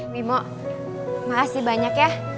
bimo maas dibanyak ya